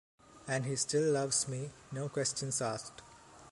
and he still loves me no questions asked